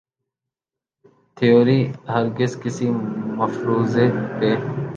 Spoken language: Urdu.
تھیوری ہرگز کسی مفروضے پہ